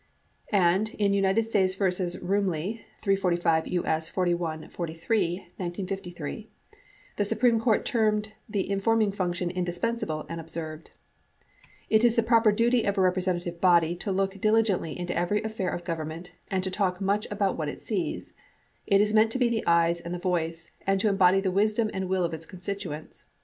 And, in United States v. Rumely , 345 U.S. 41, 43 (1953), the Supreme Court termed the informing function "indispensable" and observed: "It is the proper duty of a representative body to look dil igently into every affair of government and to talk much about what it sees. It is meant to be the eyes and the voice, and to embody the wisdom and will of its constituents.